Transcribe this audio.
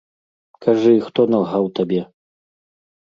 Кажы, хто налгаў табе?